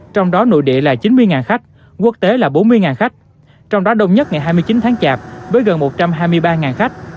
trong đó nội địa là chín mươi khách quốc tế là bốn mươi khách trong đó đông nhất ngày hai mươi chín tháng chạp với gần một trăm hai mươi ba khách